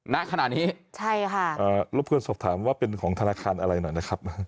น่าขนาดนี้ใช่ค่ะอ่ารูปคุณสอบถามว่าเป็นของธนาคารอะไรหน่อยนะครับ